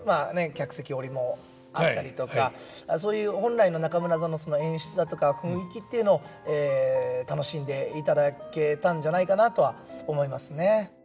客席下りもあったりとかそういう本来の中村座の演出だとか雰囲気っていうのを楽しんでいただけたんじゃないかなとは思いますね。